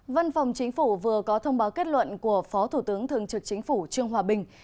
văn phòng chính phủ vừa có thông báo kết luận của phó thủ tướng thường trực chính phủ trương hòa bình